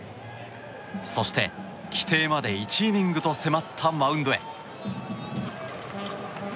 そして、規定まで１イニングと迫ったマウンドへ。